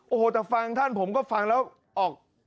โอ้โหแต่ฟังท่านผมก็ฟังแล้วออก